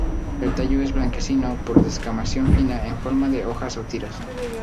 El tallo es blanquecino con descamación fina en forma de hojas o tiras.